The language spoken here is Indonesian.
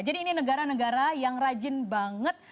jadi ini negara negara yang rajin banget